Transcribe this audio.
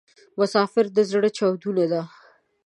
مسافري د ﺯړه چاودون ده